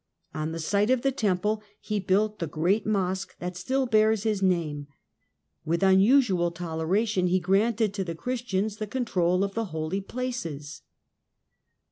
On the site of the Temple he built the great mosque that still bears his name. With unusual toleration he granted to the Christians the control of the Holy Places.